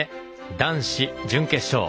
男子準決勝。